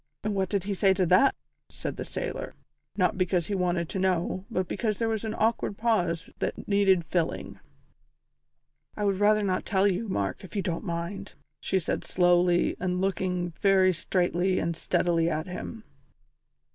"And what did he say to that?" said the sailor, not because he wanted to know, but because there was an awkward pause that needed filling. "I would rather not tell you, Mark, if you don't mind," she said slowly and looking very straightly and steadily at him.